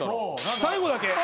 最後だけ？